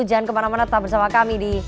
jangan kemana mana tetap bersama kami di